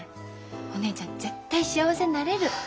お姉ちゃん絶対幸せになれる。